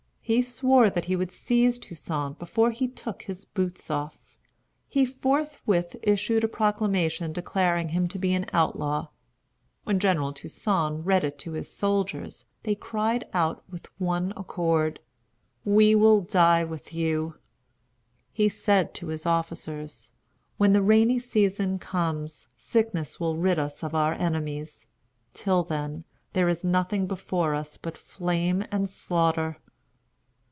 He swore that he would seize Toussaint before he took his boots off. He forthwith issued a proclamation declaring him to be an outlaw. When General Toussaint read it to his soldiers, they cried out with one accord, "We will die with you." He said to his officers: "When the rainy season comes, sickness will rid us of our enemies. Till then there is nothing before us but flame and slaughter."